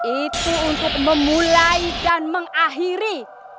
itu untuk memulai dan mengakhiri